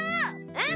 うん！